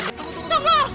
tunggu tunggu tunggu